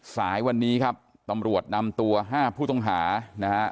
สายวันนี้ครับตำรวจนำตัว๕ผู้ต้องหานะฮะ